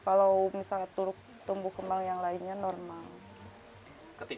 kalau dibawa ke posyandu kenan selalu berat badannya naik